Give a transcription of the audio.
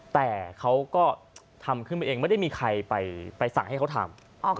แต่เขาก็ทำขึ้นมาเองไม่ได้มีใครไปสั่งให้เขาทำ